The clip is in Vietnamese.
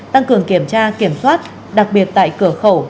tăng cường kiểm tra kiểm soát đặc biệt tại cửa khẩu